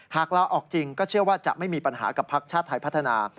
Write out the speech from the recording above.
ลาออกจริงก็เชื่อว่าจะไม่มีปัญหากับพักชาติไทยพัฒนา